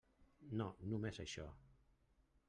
No només això.